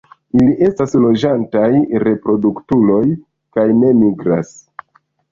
Ili estas loĝantaj reproduktuloj kaj ne migras.